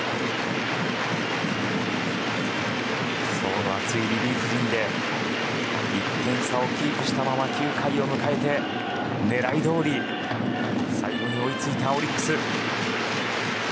層の厚いリリーフ陣で１点差をキープしたまま９回を迎えて、狙いどおり最後に追いついたオリックス。